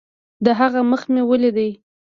د هغه مخ مې وليد.